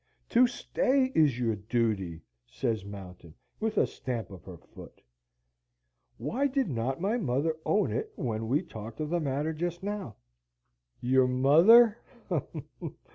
"To stay is your duty!" says Mountain, with a stamp of her foot. "Why did not my mother own it when we talked of the matter just now?" "Your mother!"